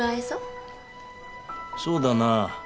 そうだな。